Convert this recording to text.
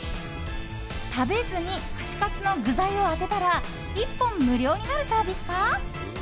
食べずに串カツの具材を当てたら１本無料になるサービスか。